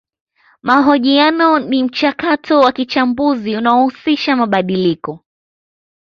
Mahojiano ni mchakato wa kichambuzi unaohusisha mabadiliko